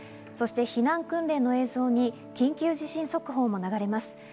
そして避難訓練の映像に緊急地震速報も流れます。